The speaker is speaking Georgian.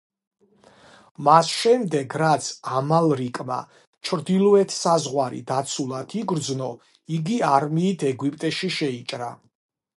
მას შემდეგ, რაც ამალრიკმა ჩრდილოეთ საზღვარი დაცულად იგრძნო, იგი არმიით ეგვიპტეში შეიჭრა.